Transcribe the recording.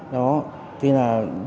đó thế là